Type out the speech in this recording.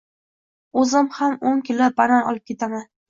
Oʻzim ham oʻn kilo banan olib ketaman.